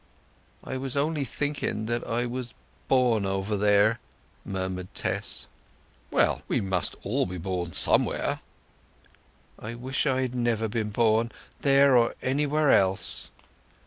"I was only thinking that I was born over there," murmured Tess. "Well—we must all be born somewhere." "I wish I had never been born—there or anywhere else!"